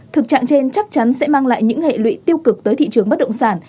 thực trạng trên chắc chắn sẽ mang lại những hệ lụy tiêu cực tới thị trường bất động sản